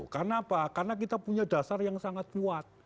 karena apa karena kita punya dasar yang sangat kuat